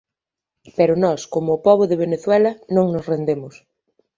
Pero nós, como o pobo de Venezuela, non nos rendemos.